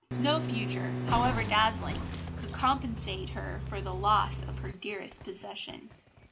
No future, however dazzling, could compensate her for the loss of her dearest possession.